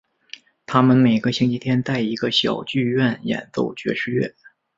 他们每个星期天在一个小剧院演奏爵士乐。